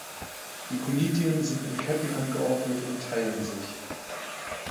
Die Konidien sind in Ketten angeordnet und teilen sich.